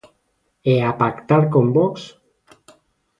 E a pactar con Vox?